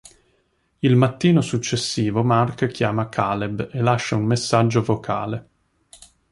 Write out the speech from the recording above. Il mattino successivo Marc chiama Caleb e lascia un messaggio vocale.